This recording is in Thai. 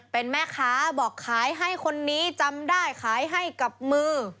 เป็นแม่ค้าบอกขายให้คนนี้จำได้ขายให้กับมือ